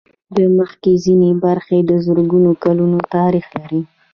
د مځکې ځینې برخې د زرګونو کلونو تاریخ لري.